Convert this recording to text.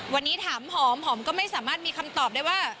วันนี้ถามหอมหอมก็ไม่สามารถมีคำตอบได้ว่า